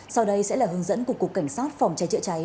sau đây sẽ là hướng dẫn của cục cảnh sát phòng trái trợ trái